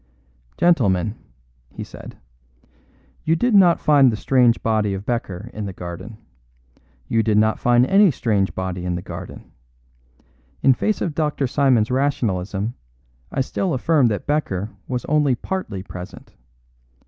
"Gentlemen," he said, "you did not find the strange body of Becker in the garden. You did not find any strange body in the garden. In face of Dr. Simon's rationalism, I still affirm that Becker was only partly present.